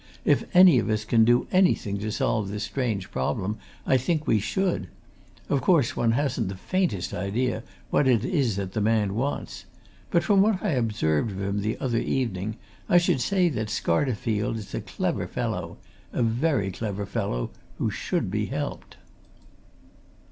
"If any of us can do anything to solve this strange problem, I think we should. Of course, one hasn't the faintest idea what it is that the man wants. But from what I observed of him the other evening, I should say that Scarterfield is a clever fellow a very clever fellow who should be helped."